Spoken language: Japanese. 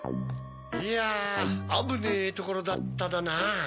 いやあぶねぇところだっただな。